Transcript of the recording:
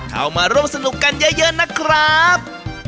เข้ามาร่วมสนุกกันเยอะนะครับ